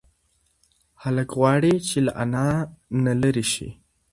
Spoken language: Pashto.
هلک غواړي چې له انا نه لرې نشي.